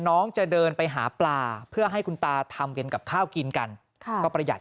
น้องจะเดินไปหาปลาเพื่อให้คุณตาทำกันกับข้าวกินกันก็ประหยัด